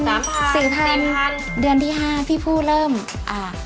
สามพันสี่พันสี่พันเดือนที่ห้าพี่ผู้เริ่มอ่า